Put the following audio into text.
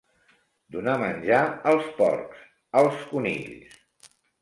Donar menjar als porcs, als conills.